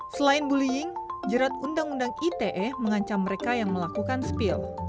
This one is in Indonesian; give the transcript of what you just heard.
selain bullying jerat undang undang ite mengancam mereka yang melakukan spill